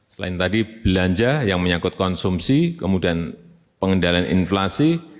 selain tadi belanja yang menyangkut konsumsi kemudian pengendalian inflasi